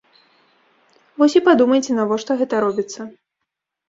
Вось і падумайце, навошта гэта робіцца.